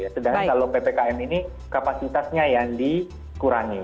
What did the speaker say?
sedangkan kalau ppkm ini kapasitasnya yang dikurangi